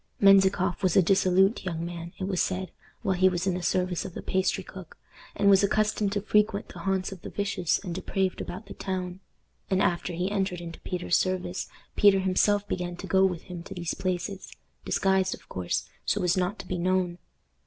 Menzikoff was a dissolute young man, it was said, while he was in the service of the pastry cook, and was accustomed to frequent the haunts of the vicious and depraved about the town; and after he entered into Peter's service, Peter himself began to go with him to these places, disguised, of course, so as not to be known.